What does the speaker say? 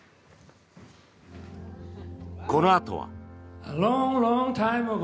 このあとは。